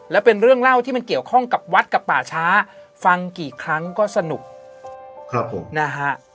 และเป็นเรื่องเล่าที่มันเกี่ยวข้องกับวัดกับป่าช้าฟังกี่ครั้งก็สนุกนะฮะ